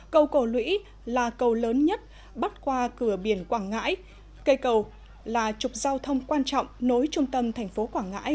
cầu cổ lũy là cầu lớn nhất bắt qua cửa biển quảng ngãi cây cầu là trục giao thông quan trọng nối trung tâm thành phố quảng ngãi